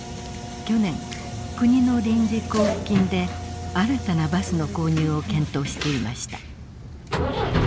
去年国の臨時交付金で新たなバスの購入を検討していました。